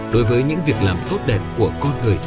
đối với những việc làm tốt đẹp của con người